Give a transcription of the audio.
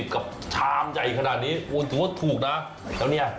๑๖๐กับชามใหญ่ขนาดนี้ถูกนะแล้วนี่